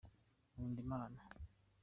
nkunda Imana.